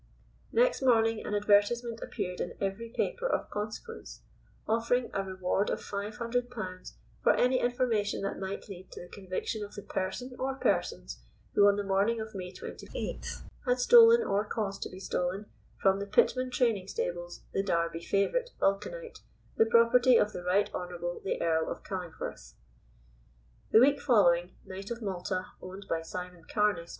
Next morning an advertisement appeared in every paper of consequence, offering "A reward of Five Hundred Pounds for any information that might lead to the conviction of the person or persons who on the morning of May 28th had stolen, or caused to be stolen, from the Pitman Training Stables, the Derby favorite, Vulcanite, the property of the Right Honorable the Earl of Calingforth." The week following, Knight of Malta, owned by Simon Carne, Esq.